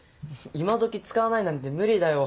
今どき使わないなんて無理だよ。